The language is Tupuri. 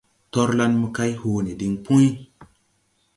Torlan mokay hoo ne diŋ Puy.